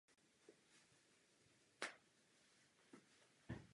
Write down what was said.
Slouží ke snížení rychlosti motorových vozidel.